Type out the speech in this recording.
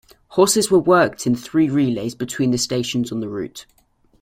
Horses were worked in three relays between the stations on the route.